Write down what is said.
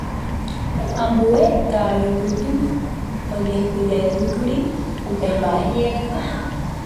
Ambue ka'arupytũ ojehujeýkuri upe mba'e.